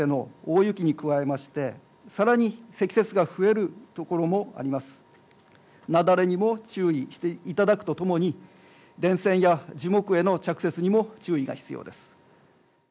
雪崩にも注意していただくとともに電線や樹木への着雪にも注意が必要です。